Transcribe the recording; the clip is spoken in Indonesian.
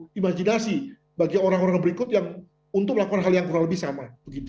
imajinasi bagi orang orang berikut yang untuk melakukan hal yang kurang lebih sama